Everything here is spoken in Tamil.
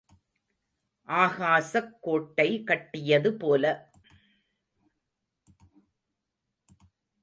ஆகாசக் கோட்டை கட்டியது போல.